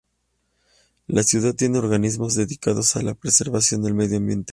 La ciudad tiene organismos dedicados a la preservación del medio ambiente.